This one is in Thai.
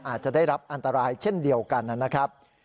อาจจะได้รับอันตรายเช่นเดียวกันนะครับ